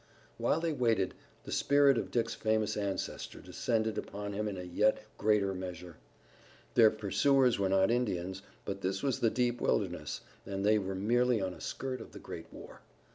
While they waited the spirit of Dick's famous ancestor descended upon him in a yet greater measure. Their pursuers were not Indians, but this was the deep wilderness and they were merely on a skirt of the great war.